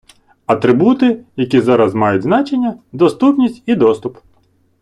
Атрибути, які зараз мають значення - доступність і доступ.